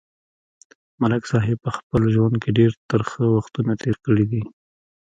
ملک صاحب په خپل ژوند کې ډېر ترخه وختونه تېر کړي دي.